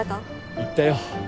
行ったよ。